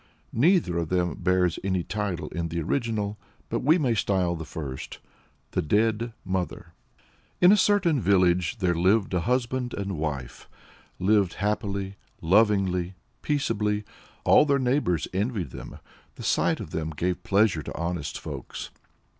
Neither of them bears any title in the original, but we may style the first THE DEAD MOTHER. In a certain village there lived a husband and wife lived happily, lovingly, peaceably. All their neighbors envied them; the sight of them gave pleasure to honest folks.